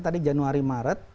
tadi januari maret